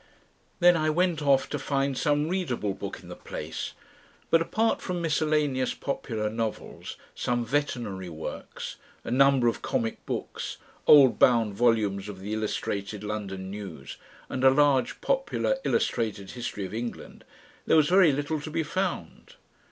Then I went off to find some readable book in the place, but apart from miscellaneous popular novels, some veterinary works, a number of comic books, old bound volumes of THE ILLUSTRATED LONDON NEWS and a large, popular illustrated History of England, there was very little to be found.